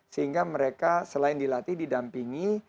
sehingga mereka selain dilatih didampingi